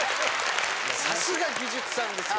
さすが技術さんですよ。